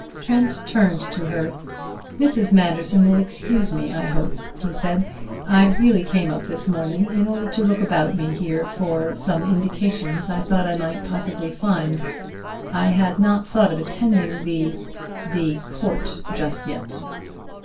Trent turned to her. "Mrs. Manderson will excuse me, I hope," he said. "I really came up this morning in order to look about me here for some indications I thought I might possibly find. I had not thought of attending the the court just yet."